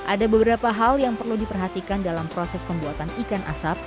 ada beberapa hal yang perlu diperhatikan dalam proses pembuatan ikan asap